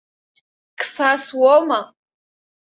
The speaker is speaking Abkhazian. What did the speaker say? Қсас уоума?